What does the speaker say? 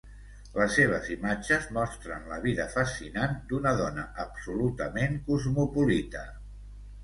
Les seves imatges mostren la vida fascinant d'una dona absolutament cosmopolita.